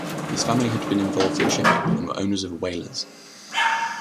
His family had been involved in shipping and were owners of whalers.